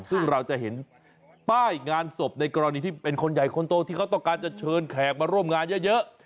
ซึ่งเราจะเห็นป้ายงานศพในกรณีที่เป็นคนใหญ่คนโตที่เขาต้องการจะเชิญแขกมาร่วมงานเยอะ